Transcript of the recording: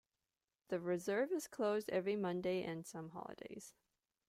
The Reserve is closed every Monday and some holidays.